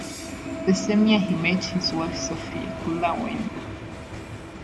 The same year he met his wife Sofia Klarwein.